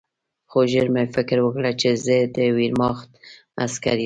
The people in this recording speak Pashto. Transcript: خو ژر مې فکر وکړ چې زه د ویرماخت عسکر یم